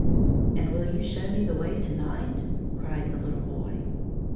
" And will you show me the way to night 1 " cried the little boy.